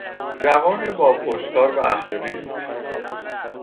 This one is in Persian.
جوان با پشتکار و اهل ریسک